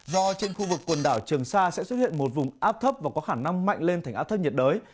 do trên khu vực quần đảo trường sa sẽ xuất hiện một vùng áp thấp và có khả năng mạnh lên thành áp thấp nhiệt đới